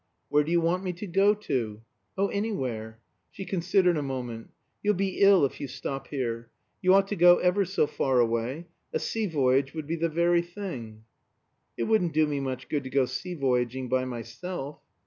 "Where do you want me to go to?" "Oh, anywhere." She considered a moment. "You'll be ill if you stop here. You ought to go ever so far away. A sea voyage would be the very thing." "It wouldn't do me much good to go sea voyaging by myself."